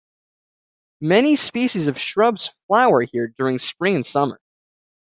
Many species of shrubs flower here during spring and summer.